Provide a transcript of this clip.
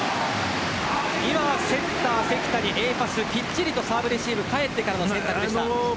今、セッター、関田にＡパスきっちりとサーブレシーブが返ってからでした。